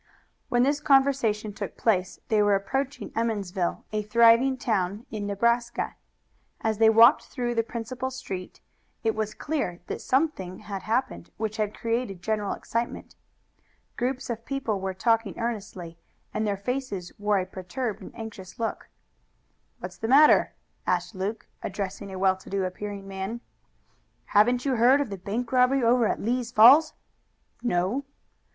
When this conversation took place they were approaching Emmonsville, a thriving town in Nebraska. As they walked through the principal street, it was clear that something had happened which had created general excitement. Groups of people were talking earnestly, and their faces wore a perturbed and anxious look. "What's the matter?" asked Luke, addressing a well to do appearing man. "Haven't you heard of the bank robbery over at Lee's Falls?" "No."